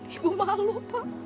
ibu malu pak